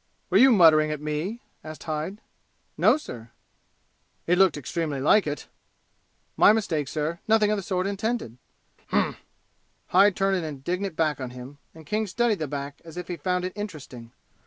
"Were you muttering at me?" asked Hyde. "No, sir." "It looked extremely like it!" "My mistake, sir. Nothing of the sort intended." "H rrrrr ummmmmph!" Hyde turned an indignant back on him, and King studied the back as if he found it interesting.